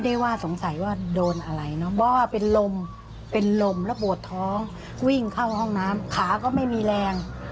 เพราะว่าเป็นลมระบวดท้องวิ่งเข้าห้องน้ำขาก็ไม่มีแรง